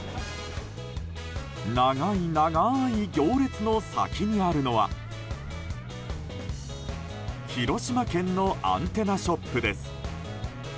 長い長い行列の先にあるのは広島県のアンテナショップです。